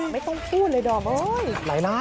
ไม๊ต้องพูดเลยหน่อย